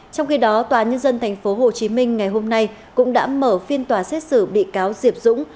trong khi đó tòa nhân dân tp hcm ngày hôm nay cũng đã mở phiên tòa xét xử bị cáo diệp dũng